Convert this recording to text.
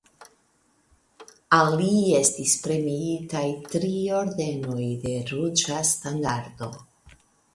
Al li estis premiitaj tri Ordenoj de Ruĝa Standardo.